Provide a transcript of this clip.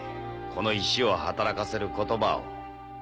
この石を働かせる言葉を。